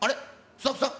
スタッフさん？